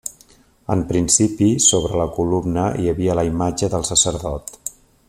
En principi sobre la columna hi havia la imatge del sacerdot.